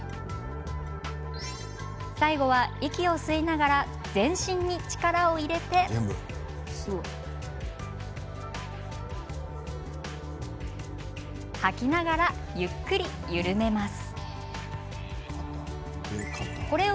最後は、息を吸いながら全身に力を入れて吐きながら、ゆっくり緩めます。